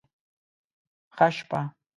ښه شپه